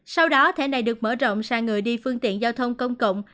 sau đó thẻ này được mở rộng sang người đi phương tiện giao thông công cộng